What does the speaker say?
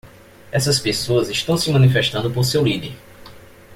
Essas pessoas estão se manifestando por seu líder.